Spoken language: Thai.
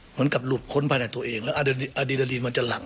เหมือนกับหลุดค้นภายในตัวเองแล้วอดีดาลีนมันจะหลัง